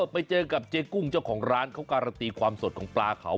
ไปเจอกับเจ๊กุ้งเจ้าของร้านเขาการันตีความสดของปลาเขา